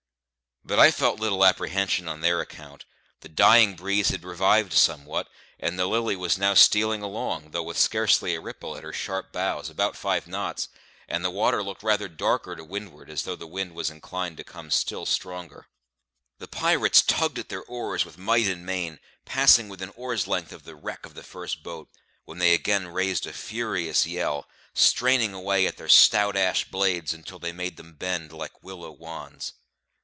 But I felt little apprehension on their account; the dying breeze had revived somewhat, and the Lily was now stealing along, though with scarcely a ripple at her sharp bows, about five knots; and the water looked rather darker to windward, as though the wind was inclined to come still stronger. The pirates tugged at their oars with might and main, passing within oar's length of the wreck of the first boat, when they again raised a furious yell, straining away at their stout ash blades until they made them bend like willow wands.